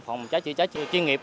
phòng cháy chữa cháy chuyên nghiệp